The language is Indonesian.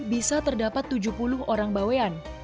bisa terdapat tujuh puluh orang bawean